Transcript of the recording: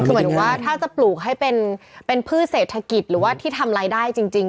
คือหมายถึงว่าถ้าจะปลูกให้เป็นพืชเศรษฐกิจหรือว่าที่ทำรายได้จริง